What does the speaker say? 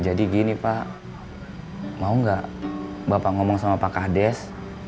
jadi gini pak mau gak bapak ngomong sama pak ahdes